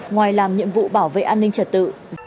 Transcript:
ngoài làm nhiệm vụ bảo vệ an ninh trật tự